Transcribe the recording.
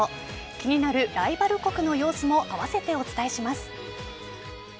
気になるライバル国の様子も併せてお伝えします。